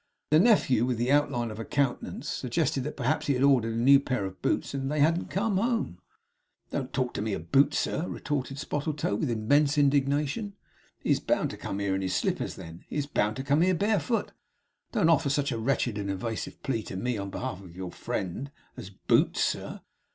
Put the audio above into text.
The nephew with the outline of a countenance, suggested that perhaps he had ordered a new pair of boots, and they hadn't come home. 'Don't talk to me of Boots, sir!' retorted Spottletoe, with immense indignation. 'He is bound to come here in his slippers then; he is bound to come here barefoot. Don't offer such a wretched and evasive plea to me on behalf of your friend, as Boots, sir.